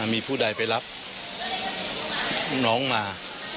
มีผู้ใดไปรับน้องมา